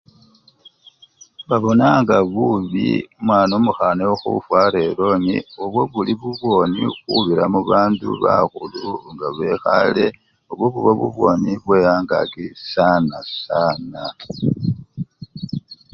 Babonanga bubi omwana omukhana khufwara elongi, obwo buli bubwoni khubira mubandu bakhulu u! nga bekhale, obwo buba bubwoni bwe angaki sana sana.